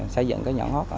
xây dựng cái nhóm hót